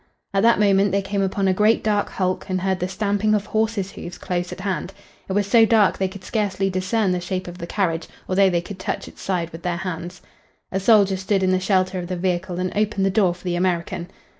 At that moment they came upon a great dark hulk and heard the stamping of horses' hoofs close at hand. It was so dark they could scarcely discern the shape of the carriage, although they could touch its side with their hands. A soldier stood in the shelter of the vehicle and opened the door for the American.